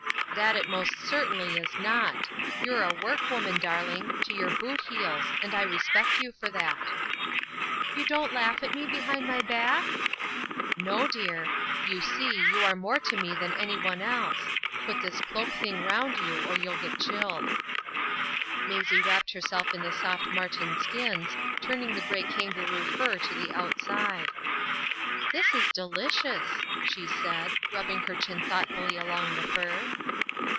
"That it most certainly is not. You're a work woman, darling, to your boot heels, and I respect you for that." "You don't laugh at me behind my back?" "No, dear. You see, you are more to me than any one else. Put this cloak thing round you, or you'll get chilled." Maisie wrapped herself in the soft marten skins, turning the gray kangaroo fur to the outside. "This is delicious," she said, rubbing her chin thoughtfully along the fur.